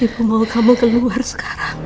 ibu mau kamu keluar sekarang